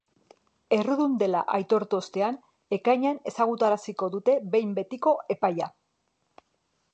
Errudun dela aitortu ostean, ekainean ezagutaraziko dute behin betiko epaia.